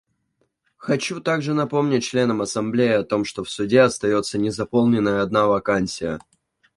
Хочу также напомнить членам Ассамблеи о том, что в Суде остается незаполненной одна вакансия.